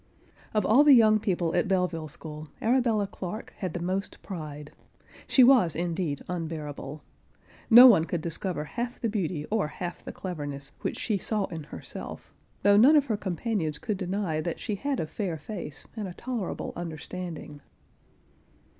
Of all the young people at Belleville school, Arabella Clarke had the most pride. She was indeed unbearable. No one could discover half the beauty or half the cleverness which she saw in herself, though none of[Pg 47] her companions could deny that she had a fair face and a tolerable understanding.